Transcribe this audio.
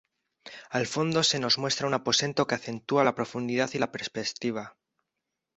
Al fondo se nos muestra un aposento que acentúa la profundidad y la perspectiva.